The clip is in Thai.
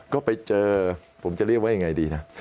ก็ไปเจอผมจะเรียกว่ายังไงดีนะ